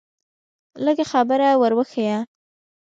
لږه خبره ور وښیه.